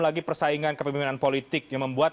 lagi persaingan kepemimpinan politik yang membuat